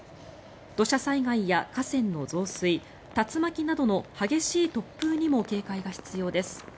土砂災害や河川の増水竜巻などの激しい突風にも警戒が必要です。